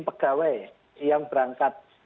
pegawai yang berangkat